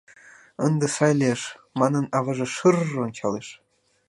— Ынде сай лиеш! — манын, аваже шыр-р-р ончалеш.